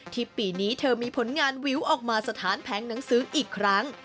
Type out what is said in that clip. ปีนี้เธอมีผลงานวิวออกมาสถานแผงหนังสืออีกครั้ง